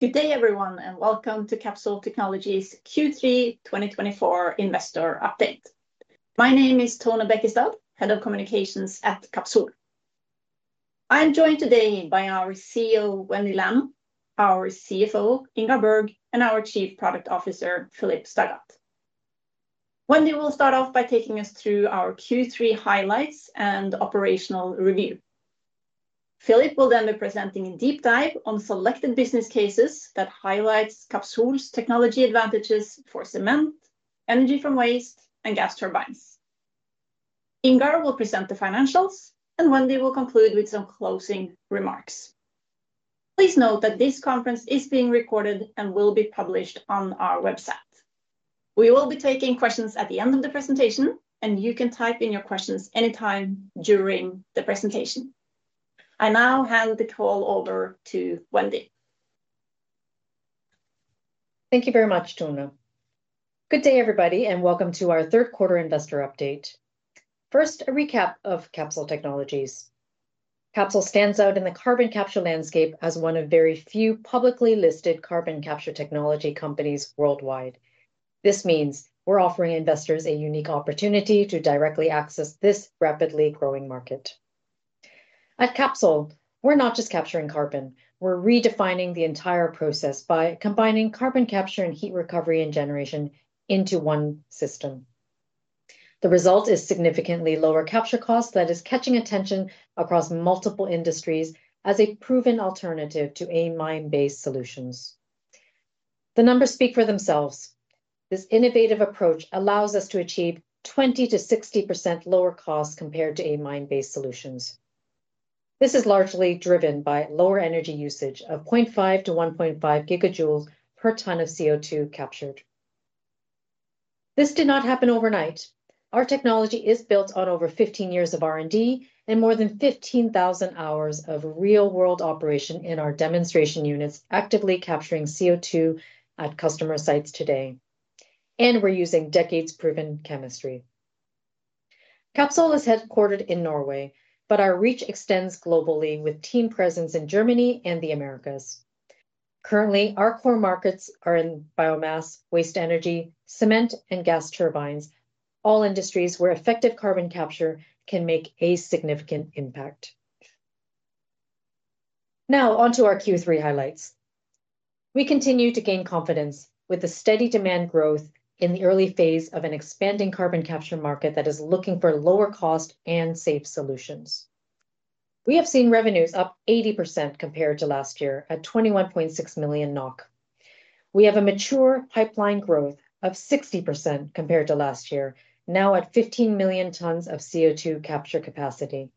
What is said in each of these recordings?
Good day, everyone, and welcome to Capsol Technologies Q3 2024 investor update. My name is Tone Bekkestad, Head of Communications at Capsol. I am joined today by our CEO, Wendy Lam, our CFO, Ingar Bergh, and our Chief Product Officer, Philipp Staggat. Wendy will start off by taking us through our Q3 highlights and operational review. Philipp will then be presenting a deep dive on selected business cases that highlight Capsol's technology advantages for cement, energy from waste, and gas turbines. Ingar will present the financials, and Wendy will conclude with some closing remarks. Please note that this conference is being recorded and will be published on our website. We will be taking questions at the end of the presentation, and you can type in your questions anytime during the presentation. I now hand the call over to Wendy. Thank you very much, Tone. Good day, everybody, and welcome to our third quarter investor update. First, a recap of Capsol Technologies. Capsol stands out in the carbon capture landscape as one of very few publicly listed carbon capture technology companies worldwide. This means we're offering investors a unique opportunity to directly access this rapidly growing market. At Capsol, we're not just capturing carbon; we're redefining the entire process by combining carbon capture and heat recovery and generation into one system. The result is significantly lower capture costs that is catching attention across multiple industries as a proven alternative to amine-based solutions. The numbers speak for themselves. This innovative approach allows us to achieve 20%-60% lower costs compared to amine-based solutions. This is largely driven by lower energy usage of 0.5-1.5 gigajoules per ton of CO2 captured. This did not happen overnight. Our technology is built on over 15 years of R&D and more than 15,000 hours of real-world operation in our demonstration units actively capturing CO2 at customer sites today, and we're using decades-proven chemistry. Capsol is headquartered in Norway, but our reach extends globally with team presence in Germany and the Americas. Currently, our core markets are in biomass, waste energy, cement, and gas turbines, all industries where effective carbon capture can make a significant impact. Now, onto our Q3 highlights. We continue to gain confidence with the steady demand growth in the early phase of an expanding carbon capture market that is looking for lower cost and safe solutions. We have seen revenues up 80% compared to last year at 21.6 million NOK. We have a mature pipeline growth of 60% compared to last year, now at 15 million tons of CO2 capture capacity.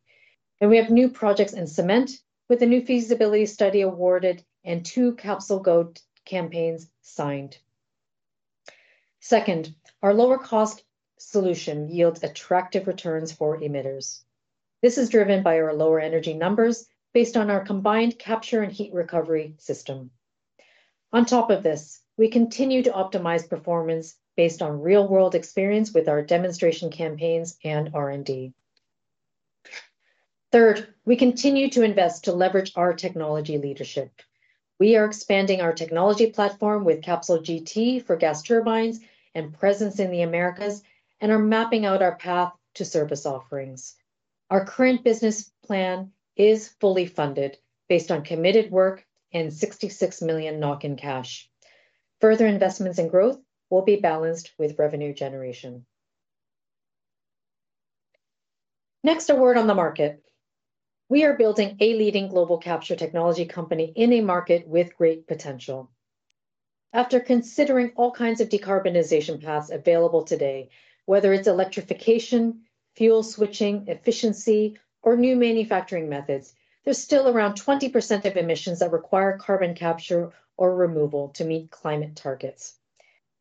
We have new projects in cement with a new feasibility study awarded and two CapsolGo campaigns signed. Second, our lower cost solution yields attractive returns for emitters. This is driven by our lower energy numbers based on our combined capture and heat recovery system. On top of this, we continue to optimize performance based on real-world experience with our demonstration campaigns and R&D. Third, we continue to invest to leverage our technology leadership. We are expanding our technology platform with CapsolGT for gas turbines and presence in the Americas and are mapping out our path to service offerings. Our current business plan is fully funded based on committed work and 66 million NOK in cash. Further investments in growth will be balanced with revenue generation. Next, a word on the market. We are building a leading global capture technology company in a market with great potential. After considering all kinds of decarbonization paths available today, whether it's electrification, fuel switching, efficiency, or new manufacturing methods, there's still around 20% of emissions that require carbon capture or removal to meet climate targets.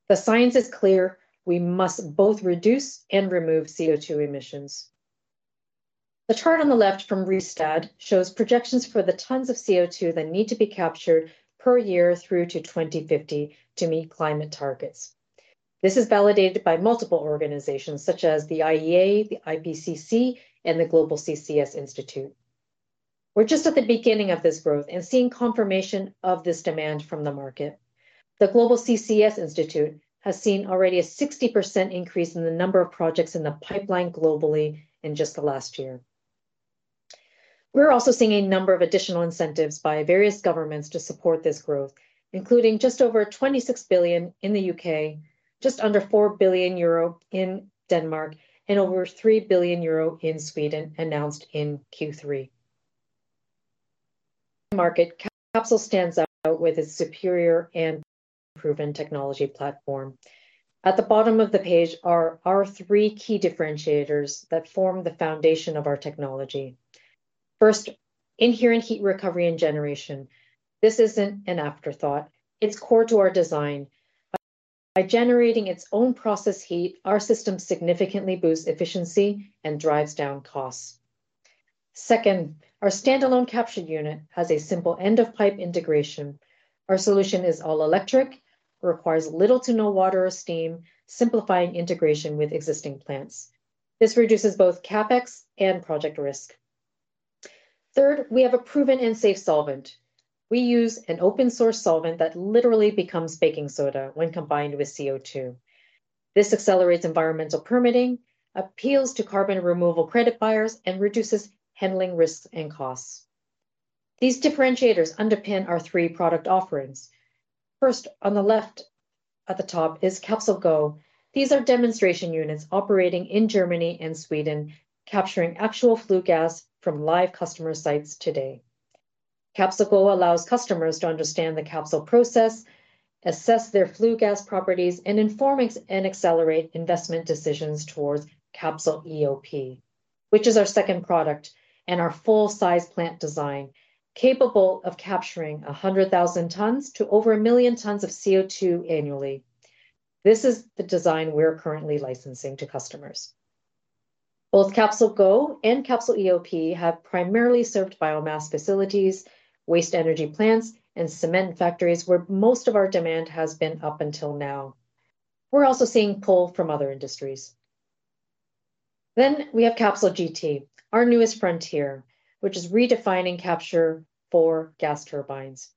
The science is clear: we must both reduce and remove CO2 emissions. The chart on the left from Rystad shows projections for the tons of CO2 that need to be captured per year through to 2050 to meet climate targets. This is validated by multiple organizations such as the IEA, the IPCC, and the Global CCS Institute. We're just at the beginning of this growth and seeing confirmation of this demand from the market. The Global CCS Institute has seen already a 60% increase in the number of projects in the pipeline globally in just the last year. We're also seeing a number of additional incentives by various governments to support this growth, including just over 26 billion in the UK, just under 4 billion euro in Denmark, and over 3 billion euro in Sweden announced in Q3. Market, Capsol stands out with its superior and proven technology platform. At the bottom of the page are our three key differentiators that form the foundation of our technology. First, inherent heat recovery and generation. This isn't an afterthought. It's core to our design. By generating its own process heat, our system significantly boosts efficiency and drives down costs. Second, our standalone capture unit has a simple end-of-pipe integration. Our solution is all electric, requires little to no water or steam, simplifying integration with existing plants. This reduces both CapEx and project risk. Third, we have a proven and safe solvent. We use an open-source solvent that literally becomes baking soda when combined with CO2. This accelerates environmental permitting, appeals to carbon removal credit buyers, and reduces handling risks and costs. These differentiators underpin our three product offerings. First, on the left at the top is CapsolGo. These are demonstration units operating in Germany and Sweden, capturing actual flue gas from live customer sites today. CapsolGo allows customers to understand the Capsol process, assess their flue gas properties, and inform and accelerate investment decisions towards CapsolEoP, which is our second product and our full-size plant design, capable of capturing 100,000 tons to over a million tons of CO2 annually. This is the design we're currently licensing to customers. Both CapsolGo and CapsolEoP have primarily served biomass facilities, waste energy plants, and cement factories where most of our demand has been up until now. We're also seeing pull from other industries. Then we have CapsolGT, our newest frontier, which is redefining capture for gas turbines.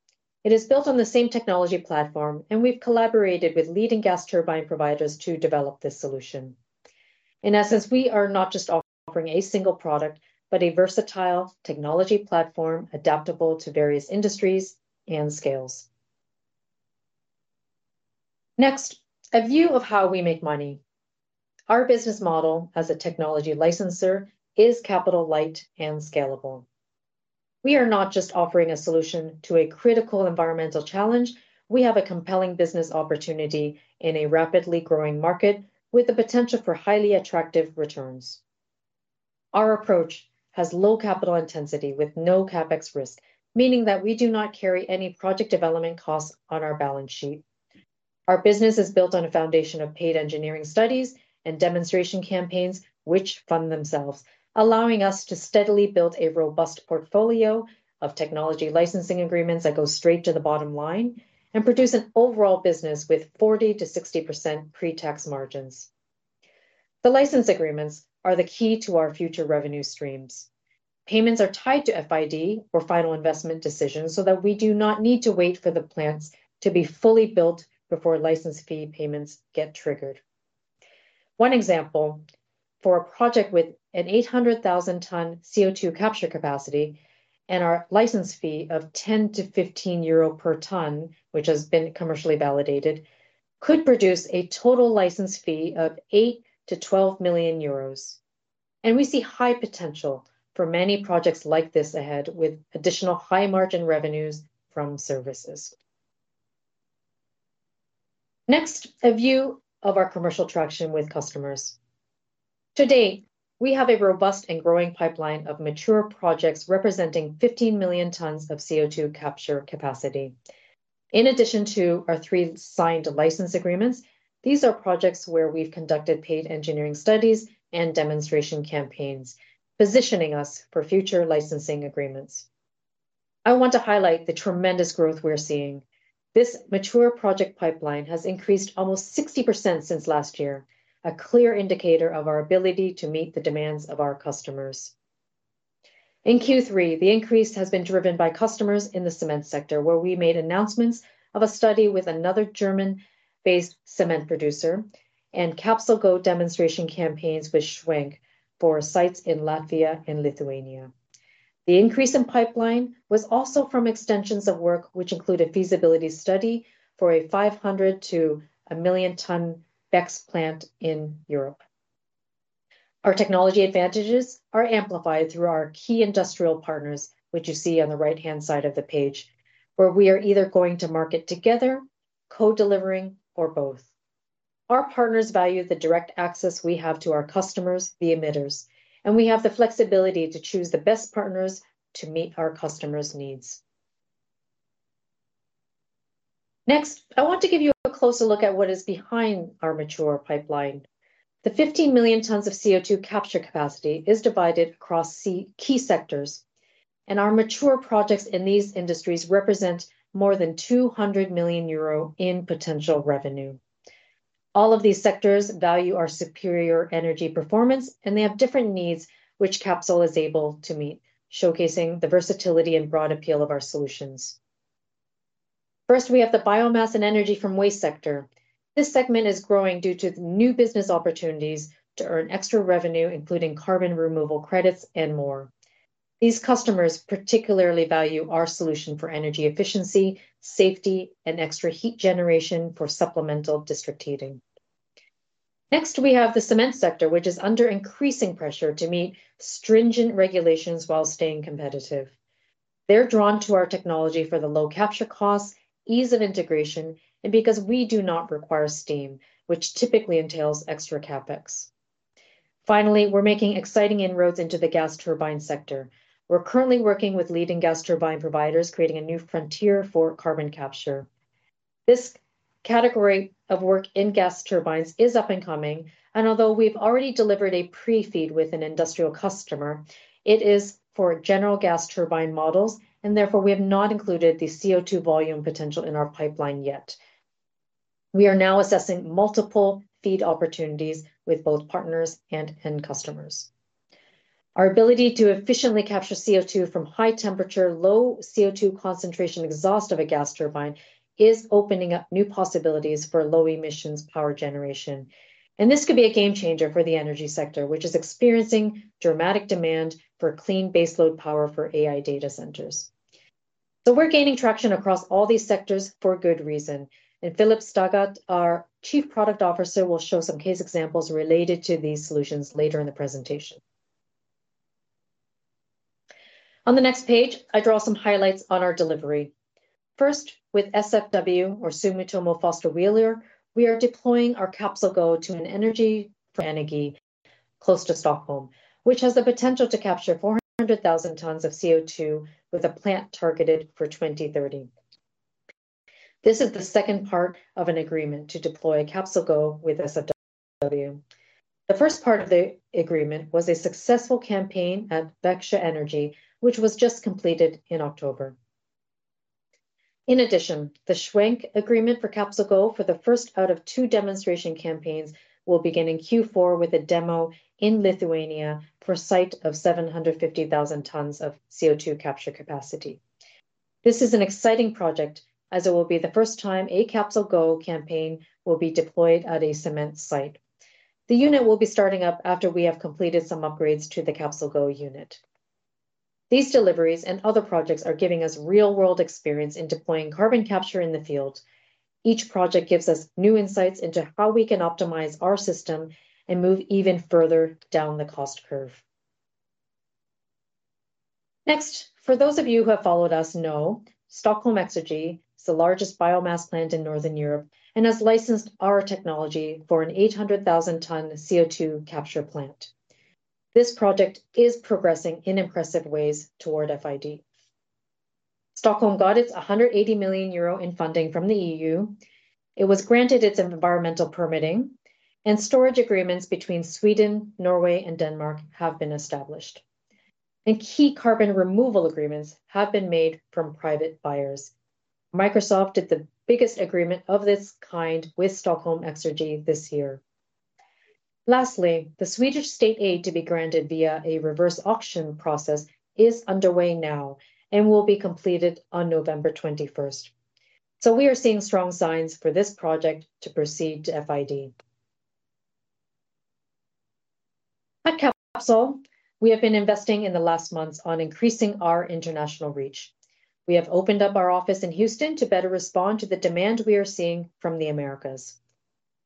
It is built on the same technology platform, and we've collaborated with leading gas turbine providers to develop this solution. In essence, we are not just offering a single product, but a versatile technology platform adaptable to various industries and scales. Next, a view of how we make money. Our business model as a technology licensor is capital-light and scalable. We are not just offering a solution to a critical environmental challenge. We have a compelling business opportunity in a rapidly growing market with the potential for highly attractive returns. Our approach has low capital intensity with no CapEx risk, meaning that we do not carry any project development costs on our balance sheet. Our business is built on a foundation of paid engineering studies and demonstration campaigns, which fund themselves, allowing us to steadily build a robust portfolio of technology licensing agreements that go straight to the bottom line and produce an overall business with 40%-60% pre-tax margins. The license agreements are the key to our future revenue streams. Payments are tied to FID or final investment decisions so that we do not need to wait for the plants to be fully built before license fee payments get triggered. One example: for a project with an 800,000-ton CO2 capture capacity and our license fee of 10-15 euro per ton, which has been commercially validated, could produce a total license fee of 8-12 million euros, and we see high potential for many projects like this ahead with additional high-margin revenues from services. Next, a view of our commercial traction with customers. To date, we have a robust and growing pipeline of mature projects representing 15 million tons of CO2 capture capacity. In addition to our three signed license agreements, these are projects where we've conducted paid engineering studies and demonstration campaigns, positioning us for future licensing agreements. I want to highlight the tremendous growth we're seeing. This mature project pipeline has increased almost 60% since last year, a clear indicator of our ability to meet the demands of our customers. In Q3, the increase has been driven by customers in the cement sector, where we made announcements of a study with another German-based cement producer and CapsolGo demonstration campaigns with Schwenk for sites in Latvia and Lithuania. The increase in pipeline was also from extensions of work, which included a feasibility study for a 500- to 1-million-ton BECCS plant in Europe. Our technology advantages are amplified through our key industrial partners, which you see on the right-hand side of the page, where we are either going to market together, co-delivering, or both. Our partners value the direct access we have to our customers, the emitters, and we have the flexibility to choose the best partners to meet our customers' needs. Next, I want to give you a closer look at what is behind our mature pipeline. The 15 million tons of CO2 capture capacity is divided across key sectors, and our mature projects in these industries represent more than 200 million euro in potential revenue. All of these sectors value our superior energy performance, and they have different needs which Capsol is able to meet, showcasing the versatility and broad appeal of our solutions. First, we have the biomass and energy from waste sector. This segment is growing due to new business opportunities to earn extra revenue, including carbon removal credits and more. These customers particularly value our solution for energy efficiency, safety, and extra heat generation for supplemental district heating. Next, we have the cement sector, which is under increasing pressure to meet stringent regulations while staying competitive. They're drawn to our technology for the low capture costs, ease of integration, and because we do not require steam, which typically entails extra CapEx. Finally, we're making exciting inroads into the gas turbine sector. We're currently working with leading gas turbine providers, creating a new frontier for carbon capture. This category of work in gas turbines is up and coming, and although we've already delivered a pre-FEED with an industrial customer, it is for general gas turbine models, and therefore we have not included the CO2 volume potential in our pipeline yet. We are now assessing multiple FEED opportunities with both partners and end customers. Our ability to efficiently capture CO2 from high temperature, low CO2 concentration exhaust of a gas turbine is opening up new possibilities for low emissions power generation, and this could be a game changer for the energy sector, which is experiencing dramatic demand for clean baseload power for AI data centers, so we're gaining traction across all these sectors for good reason, and Philipp Staggat, our Chief Product Officer, will show some case examples related to these solutions later in the presentation. On the next page, I draw some highlights on our delivery. First, with SFW, or Sumitomo Foster Wheeler, we are deploying our CapsolGo to Stockholm Exergi, close to Stockholm, which has the potential to capture 400,000 tons of CO2 with a plant targeted for 2030. This is the second part of an agreement to deploy CapsolGo with SFW. The first part of the agreement was a successful campaign at Växjö Energi, which was just completed in October. In addition, the Schwenk agreement for CapsolGo for the first out of two demonstration campaigns will begin in Q4 with a demo in Lithuania for a site of 750,000 tons of CO2 capture capacity. This is an exciting project as it will be the first time a CapsolGo campaign will be deployed at a cement site. The unit will be starting up after we have completed some upgrades to the CapsolGo unit. These deliveries and other projects are giving us real-world experience in deploying carbon capture in the field. Each project gives us new insights into how we can optimize our system and move even further down the cost curve. Next, for those of you who have followed us, know Stockholm Exergi is the largest biomass plant in Northern Europe and has licensed our technology for an 800,000-ton CO2 capture plant. This project is progressing in impressive ways toward FID. Stockholm got its 180 million euro in funding from the EU. It was granted its environmental permitting, and storage agreements between Sweden, Norway, and Denmark have been established, and key carbon removal agreements have been made from private buyers. Microsoft did the biggest agreement of this kind with Stockholm Exergi this year. Lastly, the Swedish state aid to be granted via a reverse auction process is underway now and will be completed on November 21st. So we are seeing strong signs for this project to proceed to FID. At Capsol, we have been investing in the last months on increasing our international reach. We have opened up our office in Houston to better respond to the demand we are seeing from the Americas.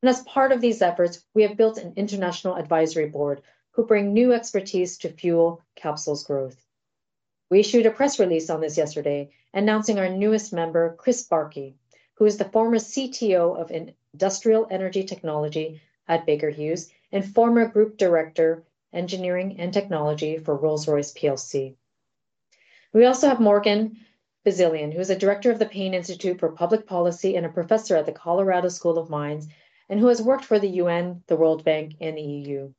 And as part of these efforts, we have built an international advisory board who bring new expertise to fuel Capsol's growth. We issued a press release on this yesterday announcing our newest member, Chris Barkey, who is the former CTO of Industrial Energy Technology at Baker Hughes and former Group Director, Engineering and Technology for Rolls-Royce PLC. We also have Morgan Bazilian, who is a director of the Payne Institute for Public Policy and a professor at the Colorado School of Mines, and who has worked for the UN, the World Bank, and the EU.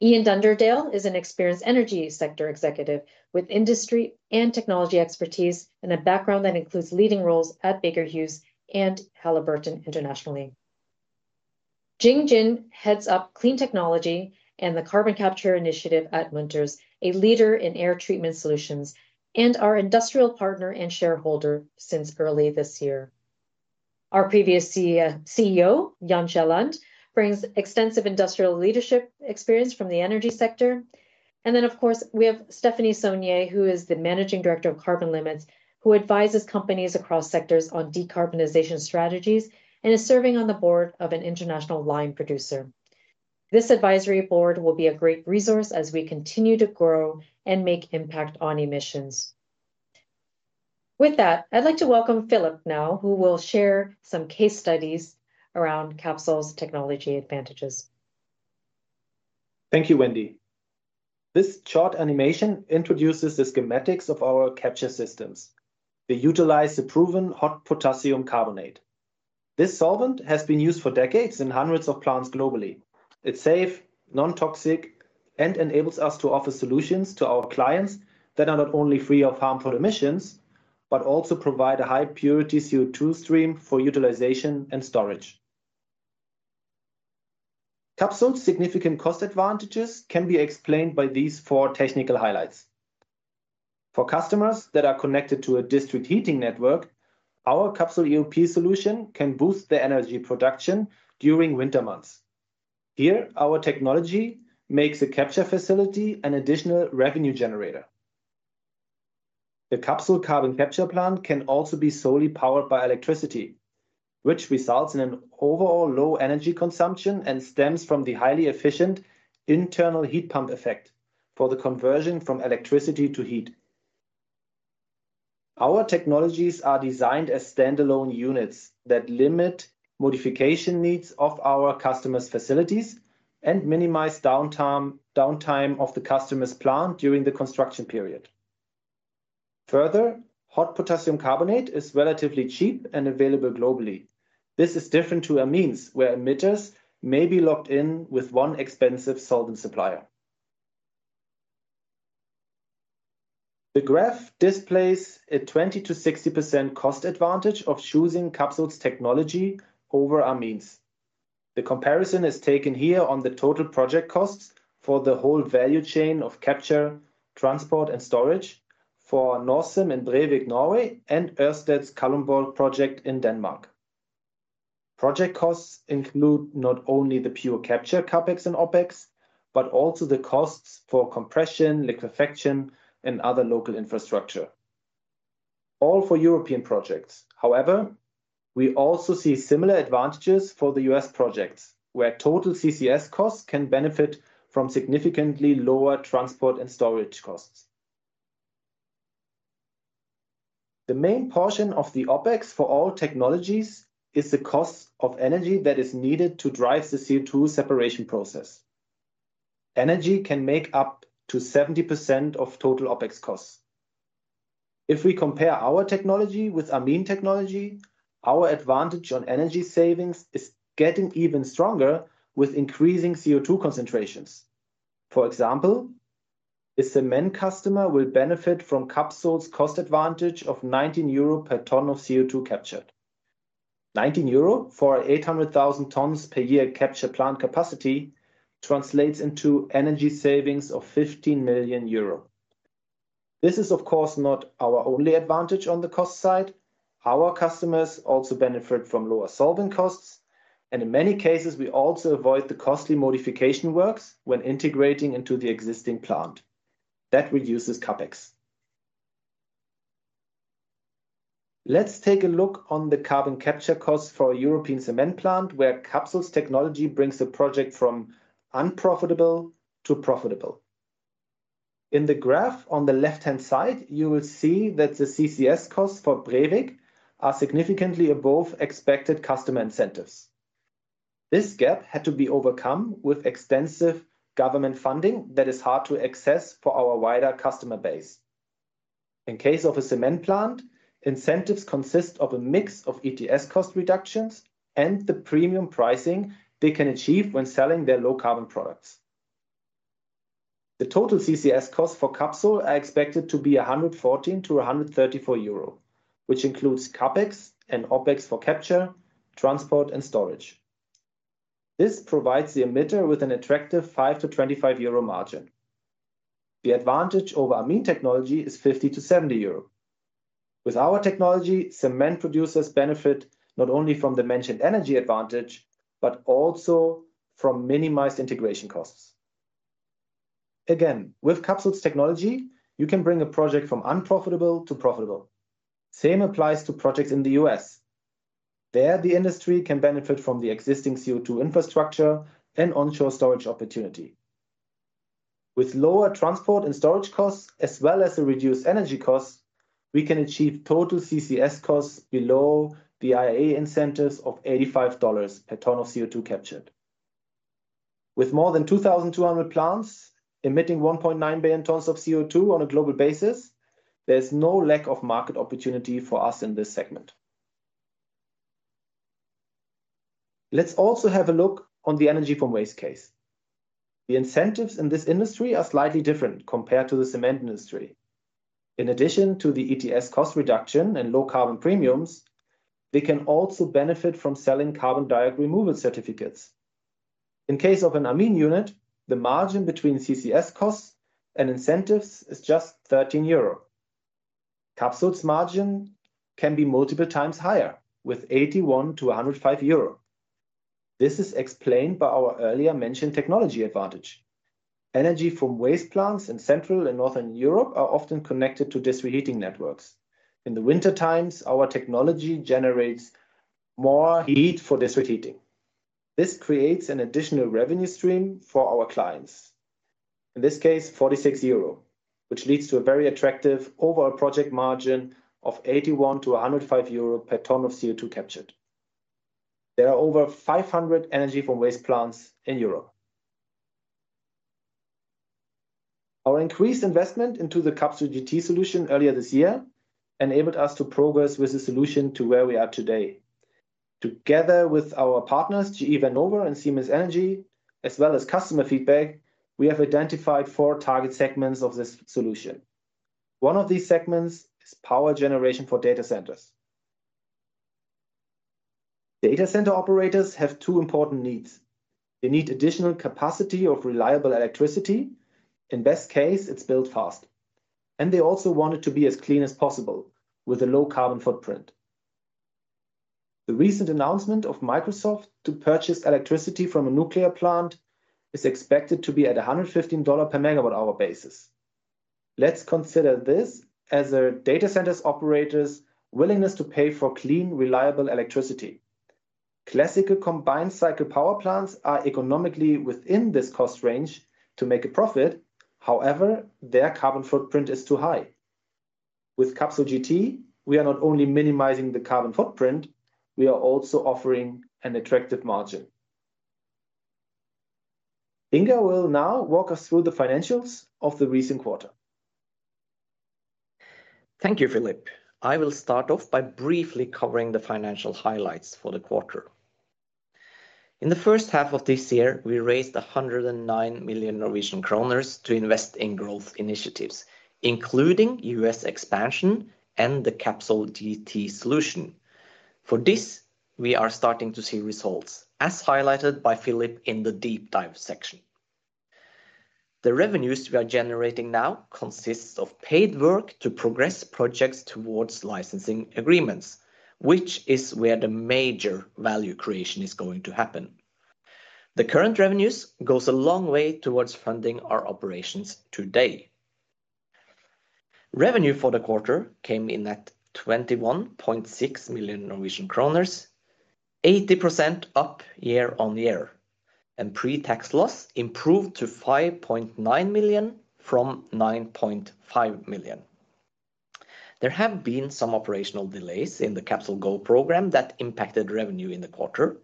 Ian Dunderdale is an experienced energy sector executive with industry and technology expertise and a background that includes leading roles at Baker Hughes and Halliburton internationally. Jing Jin heads up Clean Technology and the Carbon Capture Initiative at Munters, a leader in air treatment solutions, and our industrial partner and shareholder since early this year. Our previous CEO, Jan Kielland, brings extensive industrial leadership experience from the energy sector. Then, of course, we have Stephanie Saunier, who is the managing director of Carbon Limits, who advises companies across sectors on decarbonization strategies and is serving on the board of an international lime producer. This advisory board will be a great resource as we continue to grow and make impact on emissions. With that, I'd like to welcome Philipp now, who will share some case studies around Capsol's technology advantages. Thank you, Wendy. This chart animation introduces the schematics of our capture systems. They utilize the proven Hot Potassium Carbonate. This solvent has been used for decades in hundreds of plants globally. It's safe, non-toxic, and enables us to offer solutions to our clients that are not only free of harmful emissions, but also provide a high-purity CO2 stream for utilization and storage. Capsol's significant cost advantages can be explained by these four technical highlights. For customers that are connected to a district heating network, our CapsolEoP solution can boost the energy production during winter months. Here, our technology makes a capture facility an additional revenue generator. The Capsol carbon capture plant can also be solely powered by electricity, which results in an overall low energy consumption and stems from the highly efficient internal heat pump effect for the conversion from electricity to heat. Our technologies are designed as standalone units that limit modification needs of our customers' facilities and minimize downtime of the customer's plant during the construction period. Further, hot potassium carbonate is relatively cheap and available globally. This is different from amines, where emitters may be locked in with one expensive solvent supplier. The graph displays a 20%-60% cost advantage of choosing Capsol's technology over amines. The comparison is taken here on the total project costs for the whole value chain of capture, transport, and storage for Norcem in Brevik, Norway, and Ørsted's Kalundborg project in Denmark. Project costs include not only the pure capture CapEx and OpEx, but also the costs for compression, liquefaction, and other local infrastructure. All for European projects. However, we also see similar advantages for the US projects, where total CCS costs can benefit from significantly lower transport and storage costs. The main portion of the OpEx for all technologies is the cost of energy that is needed to drive the CO2 separation process. Energy can make up to 70% of total OpEx costs. If we compare our technology with amine technology, our advantage on energy savings is getting even stronger with increasing CO2 concentrations. For example, a cement customer will benefit from Capsol's cost advantage of 19 euro per ton of CO2 captured. 19 euro for an 800,000 tons per year capture plant capacity translates into energy savings of 15 million euro. This is, of course, not our only advantage on the cost side. Our customers also benefit from lower solvent costs, and in many cases, we also avoid the costly modification works when integrating into the existing plant. That reduces CapEx. Let's take a look on the carbon capture costs for a European cement plant, where Capsol's technology brings the project from unprofitable to profitable. In the graph on the left-hand side, you will see that the CCS costs for Brevik are significantly above expected customer incentives. This gap had to be overcome with extensive government funding that is hard to access for our wider customer base. In case of a cement plant, incentives consist of a mix of ETS cost reductions and the premium pricing they can achieve when selling their low carbon products. The total CCS costs for Capsol are expected to be 114-134 euro, which includes CapEx and OpEx for capture, transport, and storage. This provides the emitter with an attractive 5-25 euro margin. The advantage over amine technology is 50-70 euro. With our technology, cement producers benefit not only from the mentioned energy advantage, but also from minimized integration costs. Again, with Capsol's technology, you can bring a project from unprofitable to profitable. Same applies to projects in the U.S. There, the industry can benefit from the existing CO2 infrastructure and onshore storage opportunity. With lower transport and storage costs, as well as a reduced energy cost, we can achieve total CCS costs below the IRA incentives of $85 per ton of CO2 captured. With more than 2,200 plants emitting 1.9 billion tons of CO2 on a global basis, there is no lack of market opportunity for us in this segment. Let's also have a look on the energy from waste case. The incentives in this industry are slightly different compared to the cement industry. In addition to the ETS cost reduction and low carbon premiums, they can also benefit from selling carbon dioxide removal certificates. In case of an amine unit, the margin between CCS costs and incentives is just 13 euro. Capsol's margin can be multiple times higher, with 81-105 euro. This is explained by our earlier mentioned technology advantage. Energy from waste plants in Central and Northern Europe are often connected to district heating networks. In the winter times, our technology generates more heat for district heating. This creates an additional revenue stream for our clients. In this case, 46 euro, which leads to a very attractive overall project margin of 81-105 euro per ton of CO2 captured. There are over 500 energy from waste plants in Europe. Our increased investment into the CapsolGT solution earlier this year enabled us to progress with the solution to where we are today. Together with our partners, GE Vernova and Siemens Energy, as well as customer feedback, we have identified four target segments of this solution. One of these segments is power generation for data centers. Data center operators have two important needs. They need additional capacity of reliable electricity. In best case, it's built fast, and they also want it to be as clean as possible with a low carbon footprint. The recent announcement of Microsoft to purchase electricity from a nuclear plant is expected to be at a $115 per megawatt hour basis. Let's consider this as data centers operators' willingness to pay for clean, reliable electricity. Classical combined cycle power plants are economically within this cost range to make a profit. However, their carbon footprint is too high. With CapsolGT, we are not only minimizing the carbon footprint, we are also offering an attractive margin. Ingar will now walk us through the financials of the recent quarter. Thank you, Philipp. I will start off by briefly covering the financial highlights for the quarter. In the first half of this year, we raised 109 million Norwegian kroner to invest in growth initiatives, including U.S. expansion and the CapsolGT solution. For this, we are starting to see results, as highlighted by Philipp in the deep dive section. The revenues we are generating now consist of paid work to progress projects towards licensing agreements, which is where the major value creation is going to happen. The current revenues go a long way towards funding our operations today. Revenue for the quarter came in at 21.6 million Norwegian kroner, 80% up year on year, and pre-tax loss improved to 5.9 million from 9.5 million. There have been some operational delays in the CapsolGo program that impacted revenue in the quarter.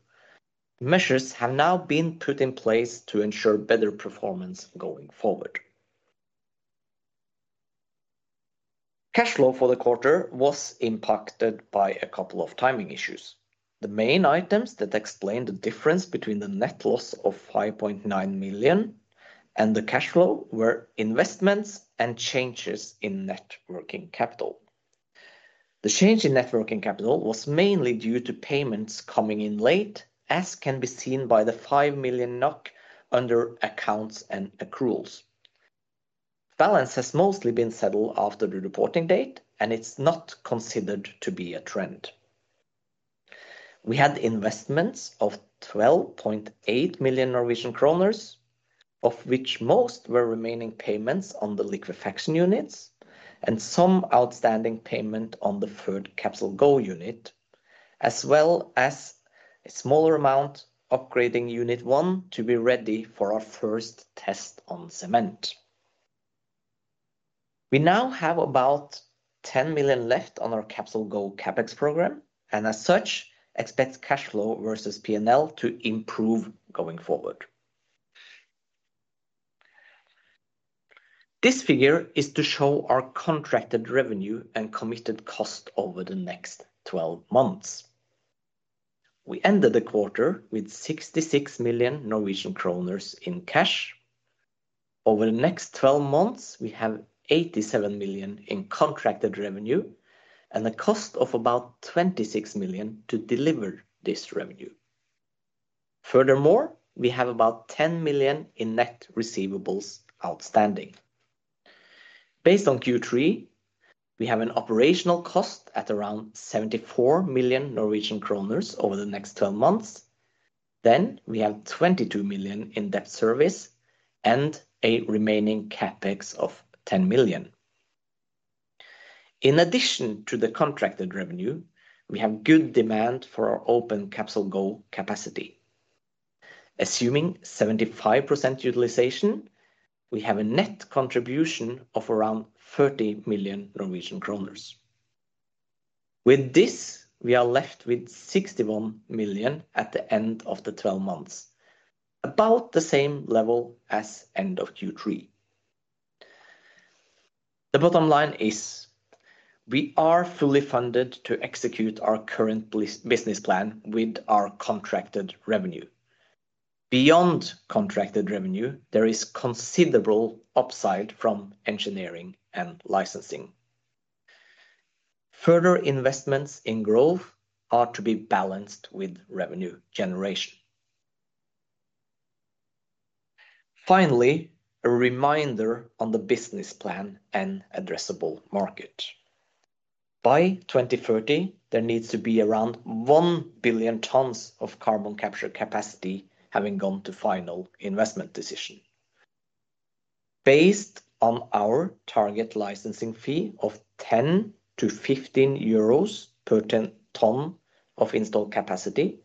Measures have now been put in place to ensure better performance going forward. Cash flow for the quarter was impacted by a couple of timing issues. The main items that explain the difference between the net loss of 5.9 million and the cash flow were investments and changes in working capital. The change in net working capital was mainly due to payments coming in late, as can be seen by the 5 million NOK under accounts and accruals. Balances have mostly been settled after the reporting date, and it's not considered to be a trend. We had investments of 12.8 million Norwegian kroner, of which most were remaining payments on the liquefaction units and some outstanding payment on the 3rd CapsolGo unit, as well as a smaller amount upgrading unit one to be ready for our first test on cement. We now have about 10 million left on our CapsolGo CapEx program, and as such, expect cash flow versus P&L to improve going forward. This figure is to show our contracted revenue and committed cost over the next 12 months. We ended the quarter with 66 million Norwegian kroner in cash. Over the next 12 months, we have 87 million in contracted revenue and a cost of about 26 million to deliver this revenue. Furthermore, we have about 10 million in net receivables outstanding. Based on Q3, we have an operational cost at around 74 million Norwegian kroner over the next 12 months. Then we have 22 million in debt service and a remaining CapEx of 10 million. In addition to the contracted revenue, we have good demand for our open CapsolGo capacity. Assuming 75% utilization, we have a net contribution of around 30 million Norwegian kroner. With this, we are left with 61 million at the end of the 12 months, about the same level as end of Q3. The bottom line is we are fully funded to execute our current business plan with our contracted revenue. Beyond contracted revenue, there is considerable upside from engineering and licensing. Further investments in growth are to be balanced with revenue generation. Finally, a reminder on the business plan and addressable market. By 2030, there needs to be around one billion tons of carbon capture capacity having gone to final investment decision. Based on our target licensing fee of 10-15 euros per ton of installed capacity,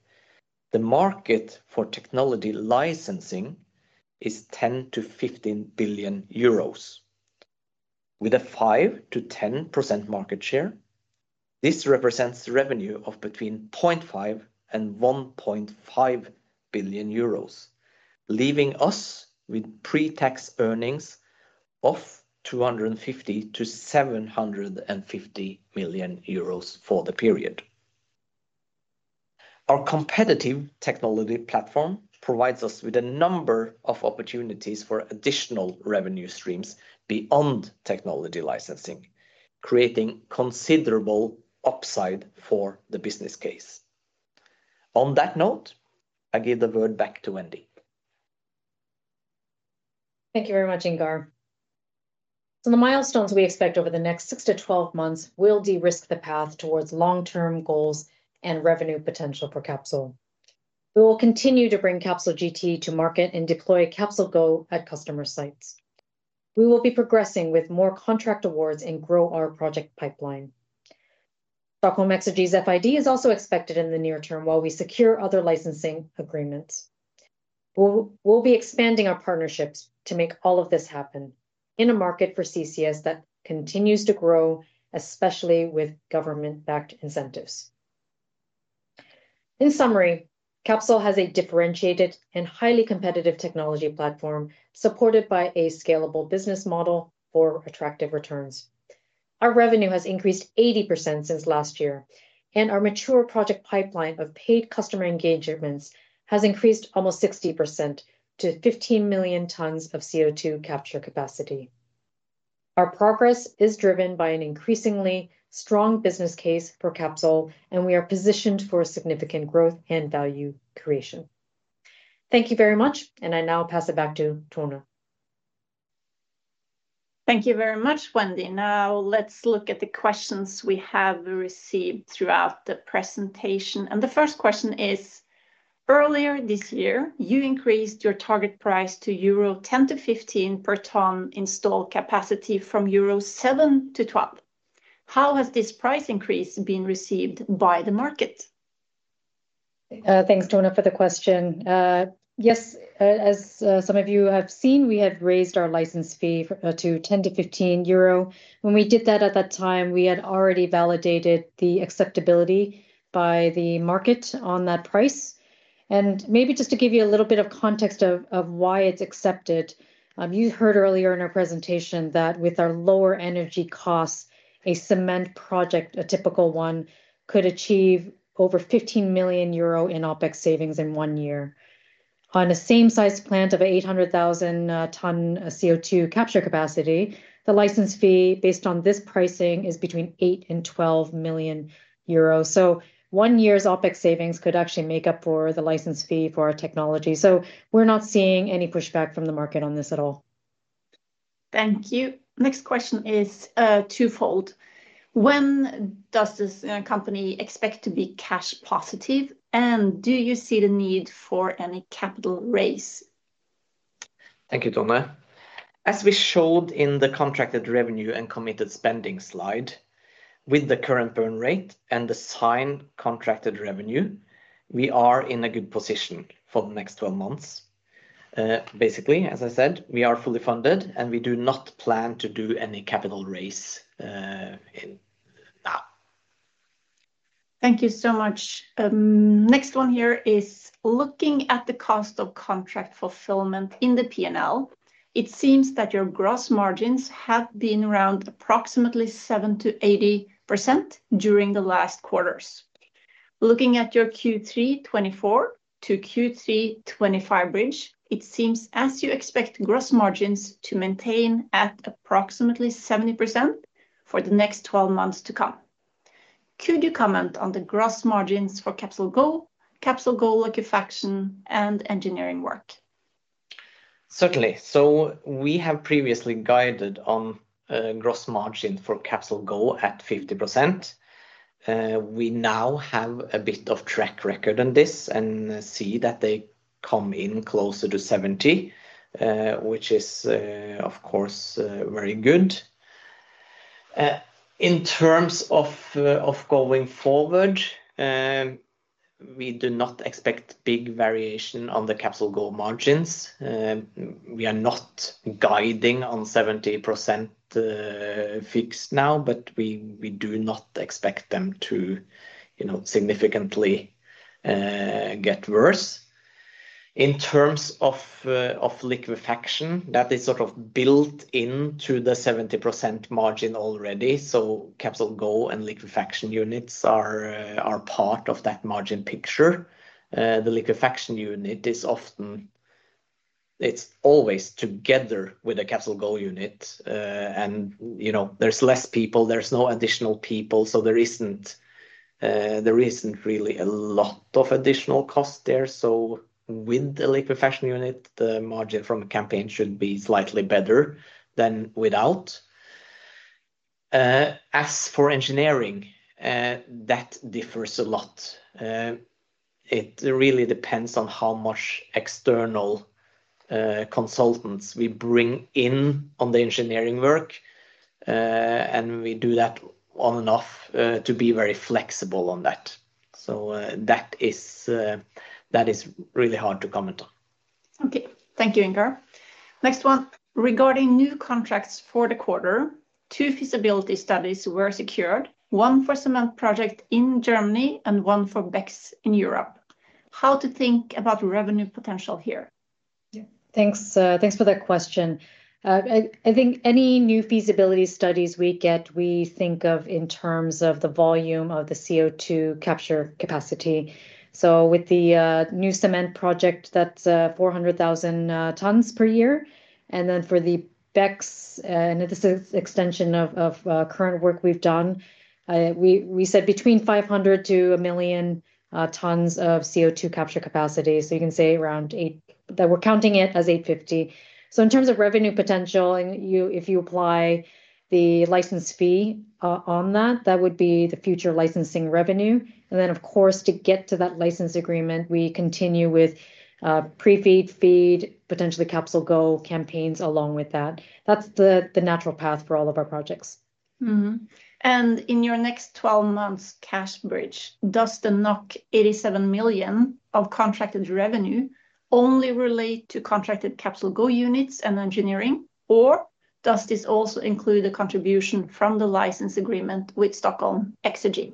the market for technology licensing is 10-15 billion EUR. With a 5-10% market share, this represents revenue of between 0.5-1.5 billion euros, leaving us with pre-tax earnings of 250-750 million EUR for the period. Our competitive technology platform provides us with a number of opportunities for additional revenue streams beyond technology licensing, creating considerable upside for the business case. On that note, I give the word back to Wendy. Thank you very much, Ingar. So the milestones we expect over the next six to 12 months will de-risk the path towards long-term goals and revenue potential for Capsol. We will continue to bring CapsolGT to market and deploy CapsolGo at customer sites. We will be progressing with more contract awards and grow our project pipeline. Stockholm Exergi's FID is also expected in the near term while we secure other licensing agreements. We'll be expanding our partnerships to make all of this happen in a market for CCS that continues to grow, especially with government-backed incentives. In summary, Capsol has a differentiated and highly competitive technology platform supported by a scalable business model for attractive returns. Our revenue has increased 80% since last year, and our mature project pipeline of paid customer engagements has increased almost 60% to 15 million tons of CO2 capture capacity. Our progress is driven by an increasingly strong business case for Capsol, and we are positioned for significant growth and value creation. Thank you very much, and I now pass it back to Tone. Thank you very much, Wendy. Now let's look at the questions we have received throughout the presentation. The first question is, earlier this year, you increased your target price to 10-15 per ton installed capacity from 7-12. How has this price increase been received by the market? Thanks, Tone, for the question. Yes, as some of you have seen, we have raised our license fee to 10-15 euro. When we did that at that time, we had already validated the acceptability by the market on that price. And maybe just to give you a little bit of context of why it's accepted, you heard earlier in our presentation that with our lower energy costs, a cement project, a typical one, could achieve over 15 million euro in OpEx savings in one year. On a same-sized plant of an 800,000 ton CO2 capture capacity, the license fee based on this pricing is between 8 million and 12 million euros. So one year's OpEx savings could actually make up for the license fee for our technology. So we're not seeing any pushback from the market on this at all. Thank you. Next question is twofold. When does this company expect to be cash positive, and do you see the need for any capital raise? Thank you, Tone. As we showed in the contracted revenue and committed spending slide, with the current burn rate and the signed contracted revenue, we are in a good position for the next 12 months. Basically, as I said, we are fully funded, and we do not plan to do any capital raise now. Thank you so much. Next one here is looking at the cost of contract fulfillment in the P&L. It seems that your gross margins have been around approximately 70%-80% during the last quarters. Looking at your Q3 2024 to Q3 2025 range, it seems as you expect gross margins to maintain at approximately 70% for the next 12 months to come. Could you comment on the gross margins for CapsolGo, CapsolGo liquefaction, and engineering work? Certainly. So we have previously guided on gross margin for CapsolGo at 50%. We now have a bit of track record on this and see that they come in closer to 70%, which is, of course, very good. In terms of going forward, we do not expect big variation on the CapsolGo margins. We are not guiding on 70% fixed now, but we do not expect them to significantly get worse. In terms of liquefaction, that is sort of built into the 70% margin already. So CapsolGo and liquefaction units are part of that margin picture. The liquefaction unit is often, it's always together with a CapsolGo unit. And there's less people, there's no additional people, so there isn't really a lot of additional cost there. So with the liquefaction unit, the margin from a campaign should be slightly better than without. As for engineering, that differs a lot. It really depends on how much external consultants we bring in on the engineering work, and we do that on and off to be very flexible on that. So that is really hard to comment on. Okay, thank you, Ingar. Next one, regarding new contracts for the quarter, two feasibility studies were secured, one for a cement project in Germany and one for BECCS in Europe. How to think about revenue potential here? Yeah, thanks for that question. I think any new feasibility studies we get, we think of in terms of the volume of the CO2 capture capacity. So with the new cement project, that's 400,000 tons per year. And then for the BEX, and this is an extension of current work we've done, we said between 500 to a million tons of CO2 capture capacity. So you can say around 8, that we're counting it as 850. So in terms of revenue potential, if you apply the license fee on that, that would be the future licensing revenue. And then, of course, to get to that license agreement, we continue with Pre-FEED, FEED, potentially CapsolGo campaigns along with that. That's the natural path for all of our projects. And in your next 12 months' cash bridge, does the 87 million of contracted revenue only relate to contracted CapsolGo units and engineering, or does this also include the contribution from the license agreement with Stockholm Exergi?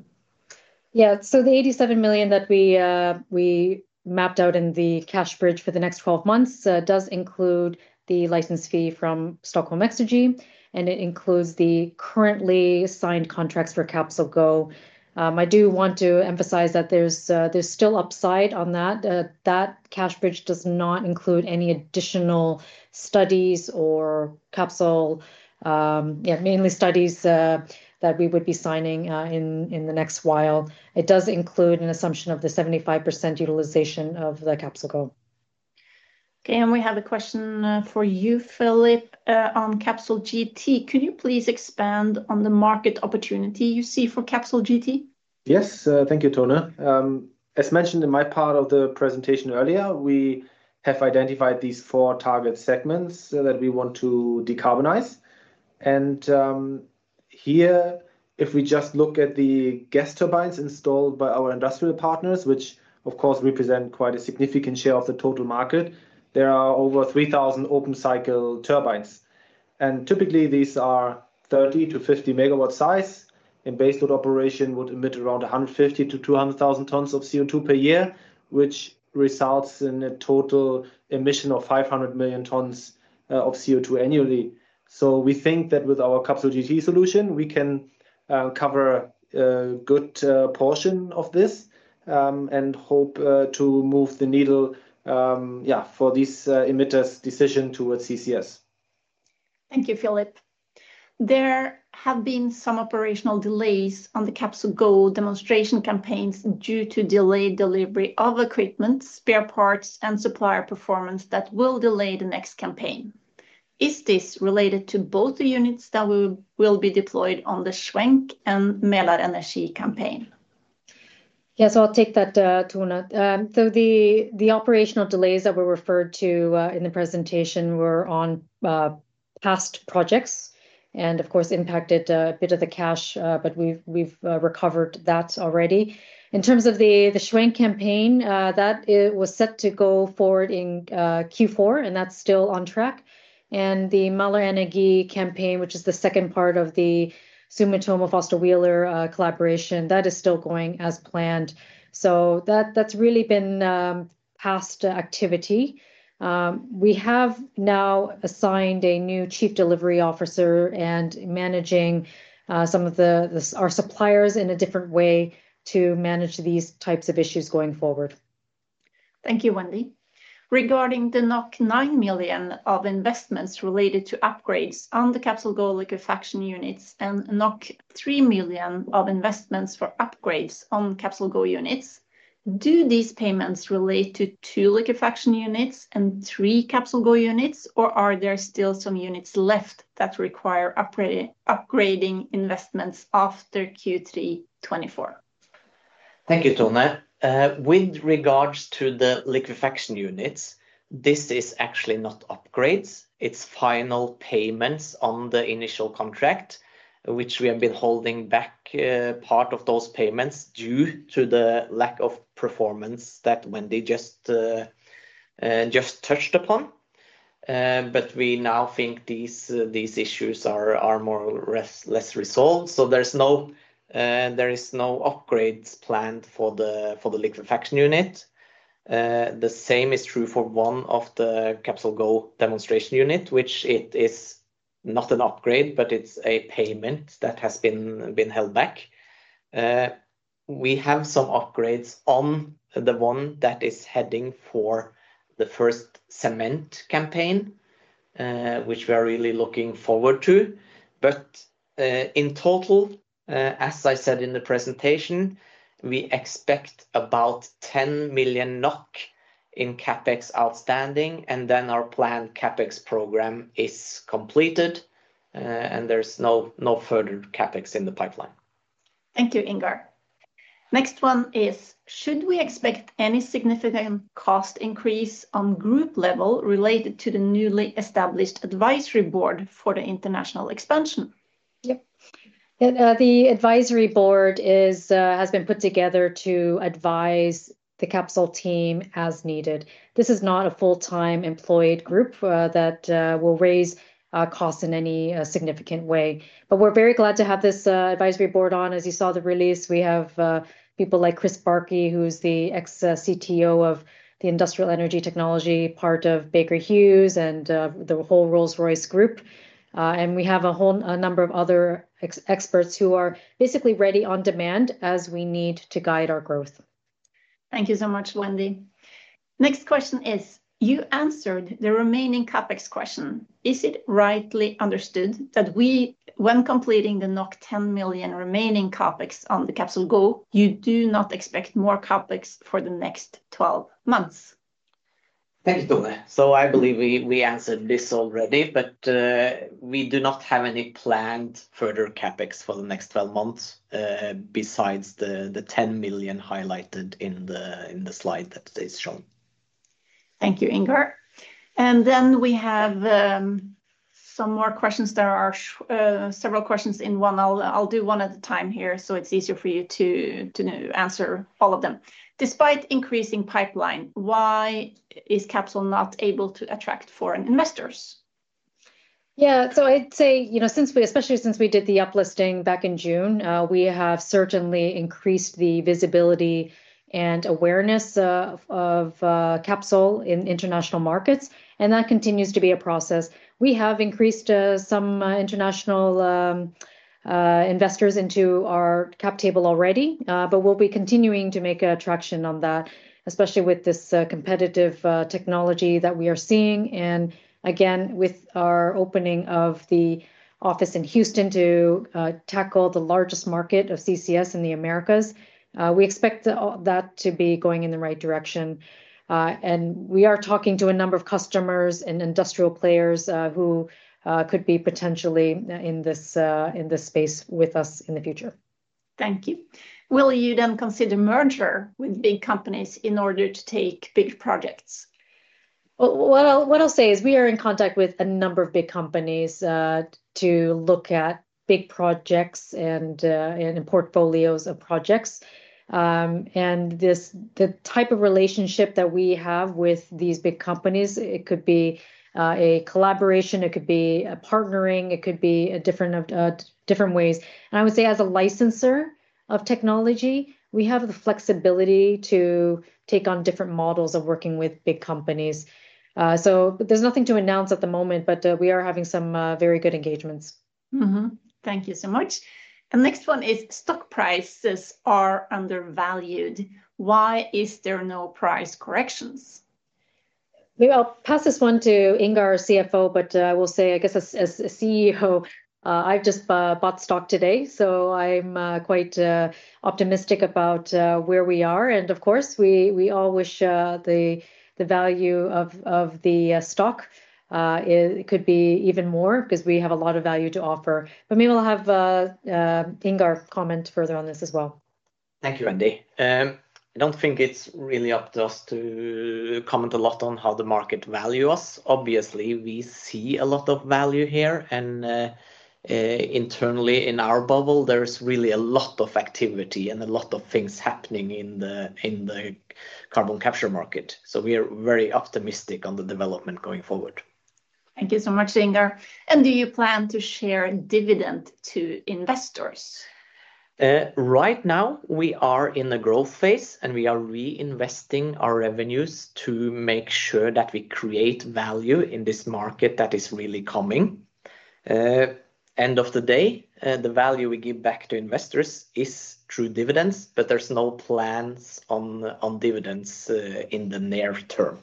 Yeah, so the 87 million that we mapped out in the cash bridge for the next 12 months does include the license fee from Stockholm Exergi, and it includes the currently signed contracts for CapsolGo. I do want to emphasize that there's still upside on that. That cash bridge does not include any additional studies or Capsol, yeah, mainly studies that we would be signing in the next while. It does include an assumption of the 75% utilization of the CapsolGo. Okay, and we have a question for you, Philipp, on CapsolGT. Could you please expand on the market opportunity you see for CapsolGT? Yes, thank you, Tone. As mentioned in my part of the presentation earlier, we have identified these four target segments that we want to decarbonize. And here, if we just look at the gas turbines installed by our industrial partners, which, of course, represent quite a significant share of the total market, there are over 3,000 open-cycle turbines. Typically, these are 30-50 MW size. In baseload operation, it would emit around 150,000-200,000 tons of CO2 per year, which results in a total emission of 500 million tons of CO2 annually. So we think that with our CapsolGT solution, we can cover a good portion of this and hope to move the needle, yeah, for these emitters' decision towards CCS. Thank you, Philipp. There have been some operational delays on the CapsolGo demonstration campaigns due to delayed delivery of equipment, spare parts, and supplier performance that will delay the next campaign. Is this related to both the units that will be deployed on the Schwenk and Mälarenergi campaign? Yes, I'll take that, Tone. So the operational delays that were referred to in the presentation were on past projects and, of course, impacted a bit of the cash, but we've recovered that already. In terms of the Schwenk campaign, that was set to go forward in Q4, and that's still on track. The Mälarenergi campaign, which is the second part of the Sumitomo-Foster Wheeler collaboration, that is still going as planned. So that's really been past activity. We have now assigned a new chief delivery officer and managing some of our suppliers in a different way to manage these types of issues going forward. Thank you, Wendy. Regarding the 9 million of investments related to upgrades on the CapsolGo liquefaction units and 3 million of investments for upgrades on CapsolGo units, do these payments relate to two liquefaction units and three CapsolGo units, or are there still some units left that require upgrading investments after Q3 2024? Thank you, Tone. With regards to the liquefaction units, this is actually not upgrades. It's final payments on the initial contract, which we have been holding back part of those payments due to the lack of performance that Wendy just touched upon, but we now think these issues are more or less resolved, so there is no upgrade planned for the liquefaction unit. The same is true for one of the CapsolGo demonstration units, which is not an upgrade, but it's a payment that has been held back. We have some upgrades on the one that is heading for the first cement campaign, which we are really looking forward to, but in total, as I said in the presentation, we expect about 10 million NOK in CapEx outstanding, and then our planned CapEx program is completed, and there's no further CapEx in the pipeline. Thank you, Ingar. Next one is, should we expect any significant cost increase on group level related to the newly established advisory board for the international expansion? Yep. The advisory board has been put together to advise the Capsol team as needed. This is not a full-time employed group that will raise costs in any significant way. But we're very glad to have this advisory board on. As you saw the release, we have people like Chris Barkey, who's the ex-CTO of the industrial energy technology part of Baker Hughes and the whole Rolls-Royce group. And we have a whole number of other experts who are basically ready on demand as we need to guide our growth. Thank you so much, Wendy. Next question is, you answered the remaining CapEx question. Is it rightly understood that when completing the 10 million remaining CapEx on the CapsolGo, you do not expect more CapEx for the next 12 months? Thank you, Tone. So I believe we answered this already, but we do not have any planned further CapEx for the next 12 months besides the 10 million highlighted in the slide that is shown. Thank you, Ingar. And then we have some more questions. There are several questions in one. I'll do one at a time here so it's easier for you to answer all of them. Despite increasing pipeline, why is Capsol not able to attract foreign investors? Yeah, so I'd say, you know, especially since we did the uplisting back in June, we have certainly increased the visibility and awareness of Capsol in international markets, and that continues to be a process. We have increased some international investors into our cap table already, but we'll be continuing to gain traction on that, especially with this competitive technology that we are seeing. And again, with our opening of the office in Houston to tackle the largest market of CCS in the Americas, we expect that to be going in the right direction. And we are talking to a number of customers and industrial players who could be potentially in this space with us in the future. Thank you. Will you then consider merger with big companies in order to take big projects? What I'll say is we are in contact with a number of big companies to look at big projects and portfolios of projects. And the type of relationship that we have with these big companies, it could be a collaboration, it could be a partnering, it could be different ways. I would say as a licensor of technology, we have the flexibility to take on different models of working with big companies. So there's nothing to announce at the moment, but we are having some very good engagements. Thank you so much. The next one is stock prices are undervalued. Why is there no price corrections? I'll pass this one to Ingar, CFO, but I will say, I guess as a CEO, I've just bought stock today, so I'm quite optimistic about where we are. And of course, we all wish the value of the stock could be even more because we have a lot of value to offer. But maybe we'll have Ingar comment further on this as well. Thank you, Wendy. I don't think it's really up to us to comment a lot on how the market values us. Obviously, we see a lot of value here. And internally in our bubble, there's really a lot of activity and a lot of things happening in the carbon capture market. So we are very optimistic on the development going forward. Thank you so much, Ingar. And do you plan to share dividend to investors? Right now, we are in a growth phase, and we are reinvesting our revenues to make sure that we create value in this market that is really coming. End of the day, the value we give back to investors is through dividends, but there's no plans on dividends in the near term.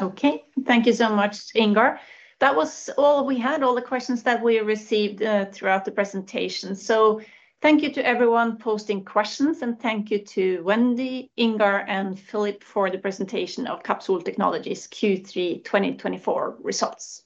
Okay, thank you so much, Ingar. That was all we had, all the questions that we received throughout the presentation. So thank you to everyone posting questions, and thank you to Wendy, Ingar, and Philipp for the presentation of Capsol Technologies Q3 2024 results.